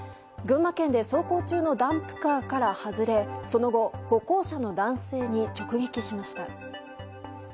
群馬県で走行中のダンプカーから外れその後、歩行者の男性に直撃しました。